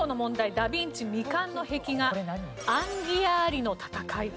ダ・ビンチ未完の壁画『アンギアーリの戦い』。